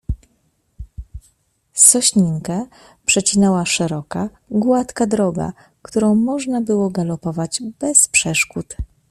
"Sośninkę przecinała szeroka, gładka droga, którą można było galopować bez przeszkód."